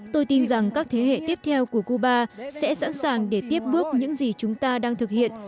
tôi tin rằng các thế hệ tiếp theo của cuba sẽ sẵn sàng để tiếp bước những gì chúng ta đang thực hiện